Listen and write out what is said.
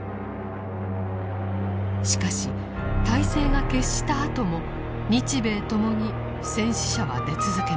しかし大勢が決したあとも日米ともに戦死者は出続けました。